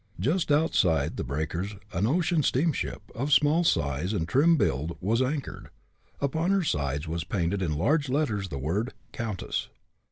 Just outside the breakers, an ocean steamship, of small size and trim build, was anchored. Upon her sides was painted in large letters the word, "Countess."